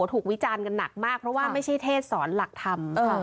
วิจารณ์กันหนักมากเพราะว่าไม่ใช่เทศสอนหลักธรรม